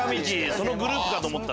そのグループかと思った。